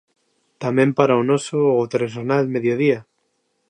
Tamén para o noso, o Telexornal Mediodía.